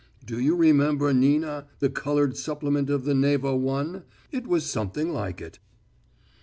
Do you remember Nina the coloured supplement of the Neva it was something like it...."